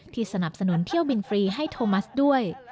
สนับสนุนเที่ยวบินฟรีให้โทมัสด้วย